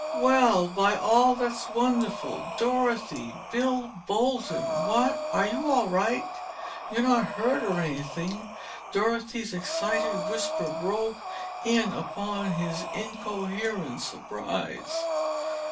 "Well, by all that's wonderful! Dorothy! Bill Bolton! What—" "Are you all right? You're not hurt or anything?" Dorothy's excited whisper broke in upon his incoherent surprise.